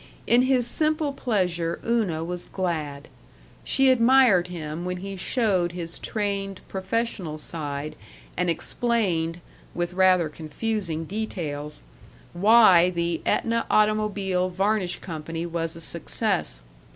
In his simple pleasure Una was glad. She admired him when he showed his trained, professional side and explained (with rather confusing details) why the Ætna Automobile Varnish Company was a success.